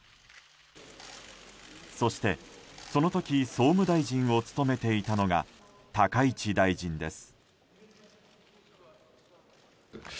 そしてその時、総務大臣を務めていたのが高市大臣です。